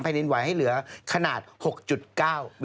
แผ่นดินไหวให้เหลือขนาด๖๙วิคเตอร์ครับ